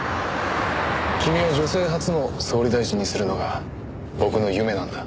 君を女性初の総理大臣にするのが僕の夢なんだ。